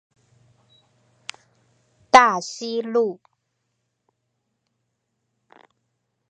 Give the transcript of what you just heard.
大溪路